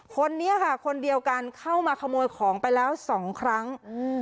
คนนี้ค่ะคนเดียวกันเข้ามาขโมยของไปแล้วสองครั้งอืม